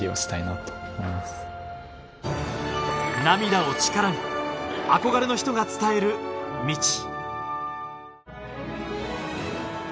涙を力に憧れの人が伝える道